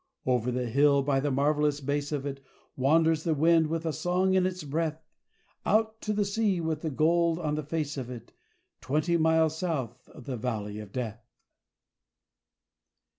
Over the hill, by the marvellous base of it, Wanders the wind with a song in its breath Out to the sea with the gold on the face of it Twenty miles south of the Valley of Death.